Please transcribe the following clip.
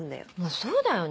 そうだよね。